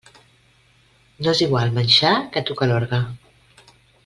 No és igual manxar que tocar l'orgue.